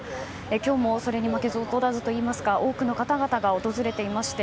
今日もそれに負けず劣らずといいますか多くの方々が訪れていました。